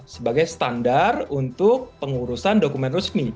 sebagai standar untuk pengurusan dokumen resmi